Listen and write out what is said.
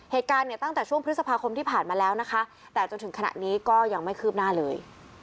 เหตุการณ์เนี่ยตั้งแต่ช่วงพฤษภาคมที่ผ่านมาแล้วนะคะแต่จนถึงขณะนี้ก็ยังไม่คืบหน้าเลย